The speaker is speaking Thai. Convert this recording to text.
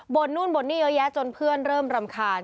นู่นบ่นนี่เยอะแยะจนเพื่อนเริ่มรำคาญ